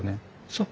そう。